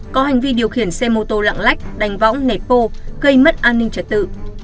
có hành vi điều khiển xe mô tô lạng lách đánh võng nẹt pô gây mất an ninh trật tự